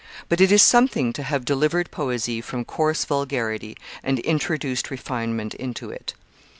But it is something to have delivered poesy from coarse vulgarity, and introduced refinement into it.